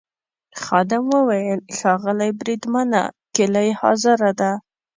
خادم وویل: ښاغلی بریدمنه کیلۍ حاضره ده.